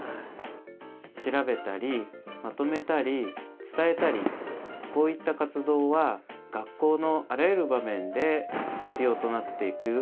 調べたりまとめたり伝えたりこういった活動は学校のあらゆる場面で必要となっていく活動です。